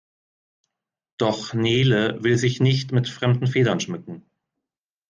Doch Nele will sich nicht mit fremden Federn schmücken.